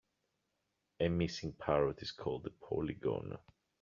A missing parrot is called a polygon.